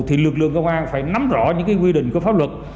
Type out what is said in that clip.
thì lực lượng công an phải nắm rõ những cái quy định có pháp luật